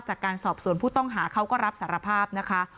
จากการสอบสวนผู้ต้องหาเขาก็รับสารภาพนะคะ